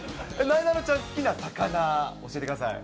なえなのちゃん、好きな魚教えてください。